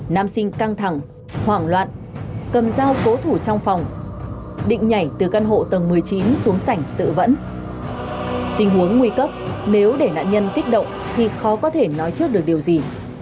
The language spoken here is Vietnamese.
nam sinh căng thẳng hoảng loạn cầm dao cố thủ trong phòng định nhảy từ căn hộ tầng một mươi chín xuống sảnh tự vẫn tình huống nguy cấp nếu để nạn nhân kích động thì khó có thể nói trước được điều gì